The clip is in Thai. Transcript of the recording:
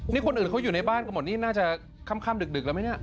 นี่คนอื่นเขาอยู่ในบ้านกันหมดนี่น่าจะค่ำดึกแล้วไหมเนี่ย